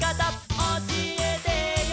「おしえてよ」